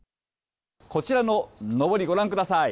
こちらののぼり、ご覧ください。